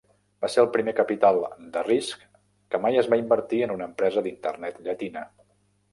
Va ser el primer capital de risc que mai es va invertir en una empresa d'Internet llatina.